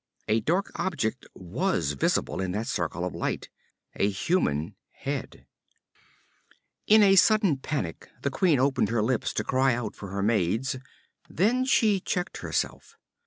A dark object was visible in that circle of light a human head. In a sudden panic the queen opened her lips to cry out for her maids; then she checked herself.